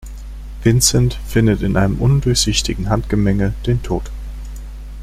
Vincent findet in einem undurchsichtigen Handgemenge den Tod.